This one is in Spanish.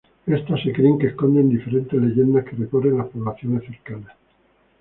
Estas se creen que esconden diferentes leyendas que recorren las poblaciones cercanas.